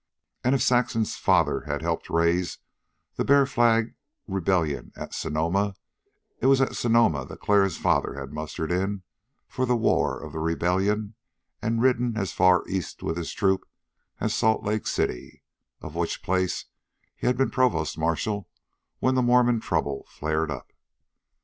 And, if Saxon's father had helped raise the Bear Flag rebellion at Sonoma, it was at Sonoma that Clara's father had mustered in for the War of the Rebellion and ridden as far east with his troop as Salt Lake City, of which place he had been provost marshal when the Mormon trouble flared up.